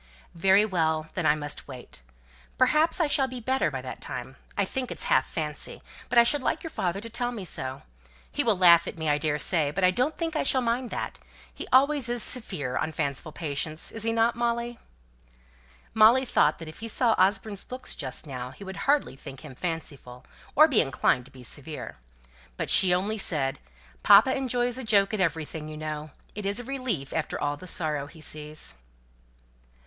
"Very well. Then I must wait. Perhaps I shall be better by that time. I think it's half fancy; but I should like your father to tell me so. He will laugh at me, I daresay; but I don't think I shall mind that. He always is severe on fanciful patients, isn't he, Molly?" Molly thought that if he saw Osborne's looks just then he would hardly think him fanciful, or be inclined to be severe. But she only said, "Papa enjoys a joke at everything, you know. It is a relief after all the sorrow he sees."